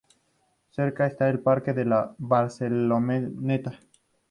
Cerca está el parque de la Barceloneta.